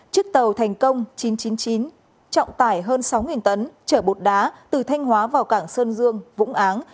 chiếc tàu thành công chín trăm chín mươi chín trọng tải hơn sáu tấn chở bột đá từ thanh hóa vào cảng sơn dương vũng áng